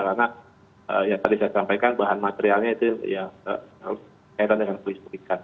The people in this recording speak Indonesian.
karena yang tadi saya sampaikan bahan materialnya itu ya harus kaitan dengan kuis pukitan